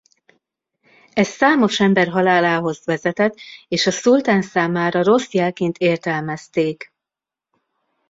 Ez számos ember halálához vezetett és a szultán számára rossz jelként értelmezték.